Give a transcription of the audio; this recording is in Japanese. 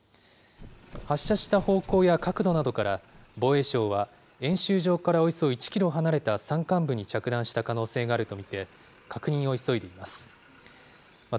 発射した方向や角度などから、防衛省は、演習場からおよそ１キロ離れた山間部に着弾した可能性があると見て、確認を急いでいます。